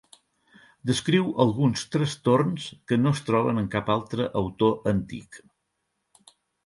Descriu alguns trastorns que no es troben en cap altre autor antic.